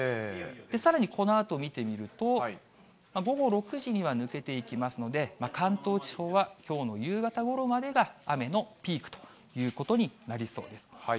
さらにこのあと見てみると、午後６時には抜けていきますので、関東地方はきょうの夕方ごろまでが、雨のピークということになりそうです。